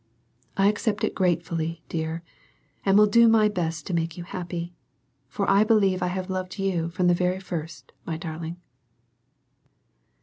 I accept it gratefully, dear, and will do my best to make you happy; for I believe I have loved you from the very first, my darling."